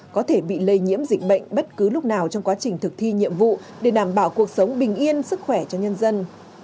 có thể bị lây nhiễm dịch bệnh bất cứ lúc nào trong quá trình thực thi nhiệm vụ để đảm bảo cuộc sống bình yên sức khỏe cho nhân dân